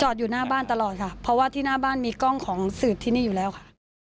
อยู่หน้าบ้านตลอดค่ะเพราะว่าที่หน้าบ้านมีกล้องของสืบที่นี่อยู่แล้วค่ะ